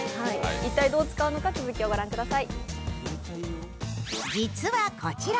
一体、どう使うのか続きをご覧ください。